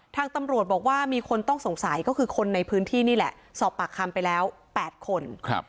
ทางตำรวจบอกว่ามีคนต้องสงสัยก็คือคนในพื้นที่นี่แหละสอบปากคำไปแล้ว๘คน